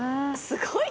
すごい。